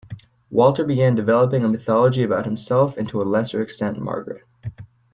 Walter began developing a mythology about himself and to a lesser extent Margaret.